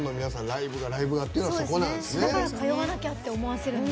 ライブだライブだって言うのはそこなんですね。